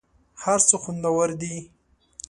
هر څه خوندور دي .